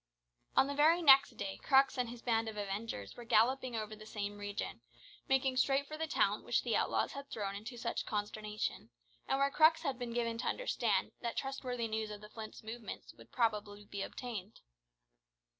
On the very next day Crux and his band of avengers were galloping over the same region, making straight for the town which the outlaws had thrown into such consternation, and where Crux had been given to understand that trustworthy news of the Flint's movements would probably be obtained.